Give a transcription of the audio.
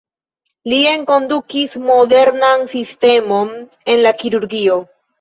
Li enkondukis modernan sistemon en la kirurgio.